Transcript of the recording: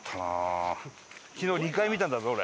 昨日２回見たんだぞ俺。